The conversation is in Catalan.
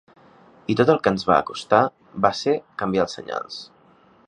I tot el que ens va costar va ser canviar els senyals.